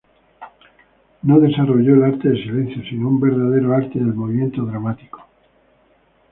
No desarrolló el arte de silencio, sino un verdadero arte del movimiento dramático.